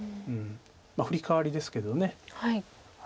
まあフリカワリですけど。